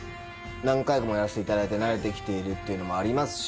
何回かやらせていただいて慣れてきてるのもありますし。